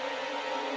quyền bí lệ của bắc nam